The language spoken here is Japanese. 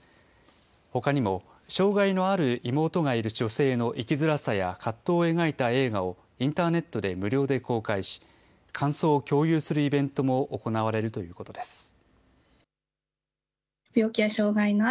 ほかにも、障害のある妹がいる女性の生きづらさや葛藤を描いた映画をインターネットで無料で公開し、感想を共有するイベントも行われるということです。